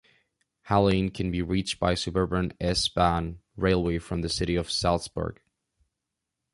Hallein can be reached by suburban "S-Bahn" railway from the city of Salzburg.